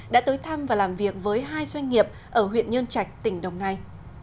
đã tới thăm và làm việc với hai doanh nghiệp ở huyện nhơn trạch tỉnh đồng nai